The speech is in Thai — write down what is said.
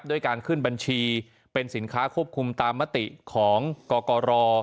ด้วยการขึ้นบัญชีเป็นสินค้าควบคุมตามมติของกกร